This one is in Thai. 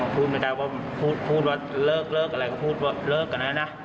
พูดว่าเลิกเกิดอะไรก็พูดว่าเลิกเกิดอะไรนะ